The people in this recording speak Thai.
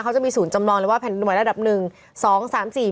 เขาจะมีศูนย์จำลองเลยว่าแผ่นหน่วยระดับหนึ่งสองสามสี่